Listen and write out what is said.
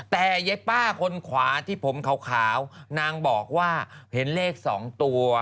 แต่เย้ป้าคนขวาที่ผมขาวนางบอกว่าเห็นเลข๒ตัว